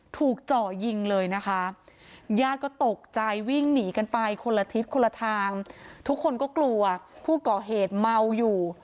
จ่อยิงเลยนะคะญาติก็ตกใจวิ่งหนีกันไปคนละทิศคนละทางทุกคนก็กลัวผู้ก่อเหตุเมาอยู่